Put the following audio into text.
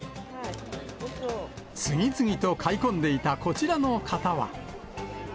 次々と買い込んでいたこちらの方は。